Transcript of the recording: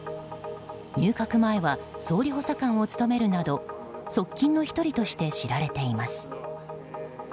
入閣前は総理補佐官を務めるなど側近の１人として知られています。